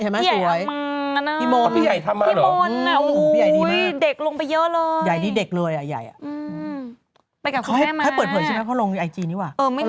เม่บอกเจ็บทีเดียว